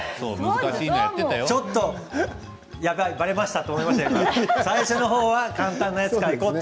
ちょっとやばいばれましたと思いましたが最初は簡単なやつからいこうと。